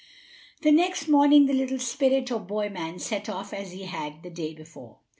The next morning the little spirit or boy man set off as he had the day before.